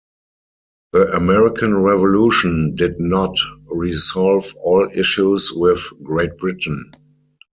The American Revolution did not resolve all issues with Great Britain.